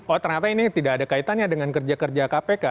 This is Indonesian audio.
oh ternyata ini tidak ada kaitannya dengan kerja kerja kpk